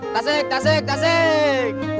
tasik tasik tasik